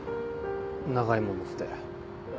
長いものって。